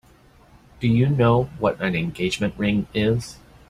Do you know what an engagement ring is?